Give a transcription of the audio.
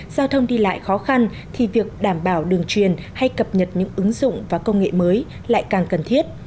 giao thông đi lại khó khăn thì việc đảm bảo đường truyền hay cập nhật những ứng dụng và công nghệ mới lại càng cần thiết